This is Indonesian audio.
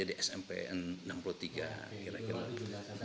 jadi solusinya insya allah gedung itu akan tetap bermanfaat